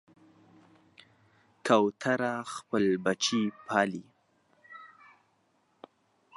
کوتره خپل بچي پالي.